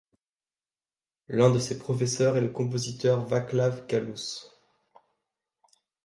L'un de ses professeurs est le compositeur Václav Kalous.